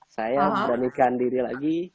saya beranikan diri lagi